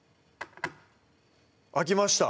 開きました